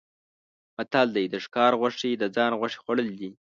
متل دی: د ښکار غوښې د ځان غوښې خوړل دي.